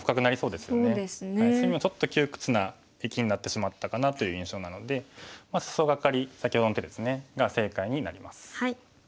隅もちょっと窮屈な生きになってしまったかなという印象なのでスソガカリ先ほどの手ですねが正解になります。